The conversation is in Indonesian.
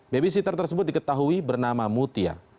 babysitter tersebut diketahui bernama mutia